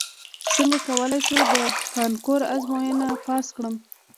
څنګه کولی شم د کانکور ازموینه پاس کړم